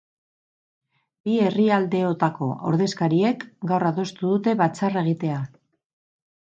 Bi herrialdeotako ordezkariek gaur adostu dute batzarra egitea.